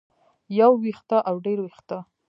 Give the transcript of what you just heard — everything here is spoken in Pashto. يو وېښتۀ او ډېر وېښتۀ